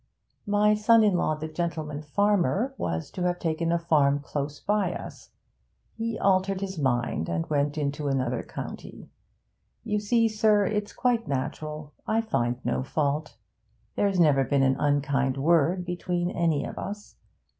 My son in law the gentleman farmer was to have taken a farm close by us; he altered his mind, and went into another county. You see, sir! It's quite natural: I find no fault. There's never been an unkind word between any of us.